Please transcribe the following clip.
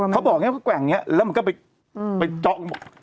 เขาบอกไงก็แกว่งเนี่ยแล้วมันก็ไปจ๊อก